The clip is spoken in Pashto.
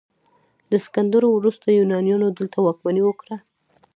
د اسکندر وروسته یونانیانو دلته واکمني وکړه